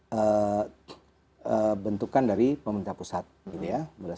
terus kita berpikir bahwa kita ini adalah pelabuhan yang sudah diperoleh